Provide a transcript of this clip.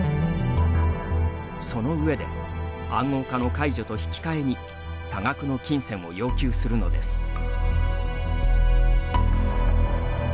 その上で暗号化の解除と引き換えに多額の金銭を要求するのです。